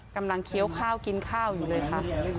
เคี้ยวข้าวกินข้าวอยู่เลยค่ะ